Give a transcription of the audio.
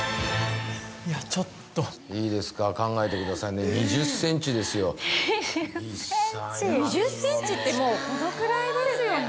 いやちょっといいですか考えてくださいね２０センチですよ２０センチ２０センチってもうこのくらいですよね